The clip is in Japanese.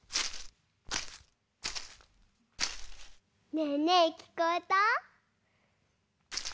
ねえねえきこえた？